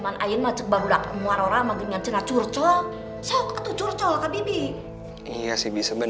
nah jadi k benchmark adjust